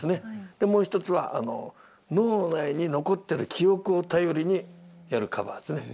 でもう一つは脳内に残ってる記憶を頼りにやるカバーですね。